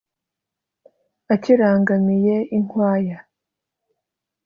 akirangamiye inkwaya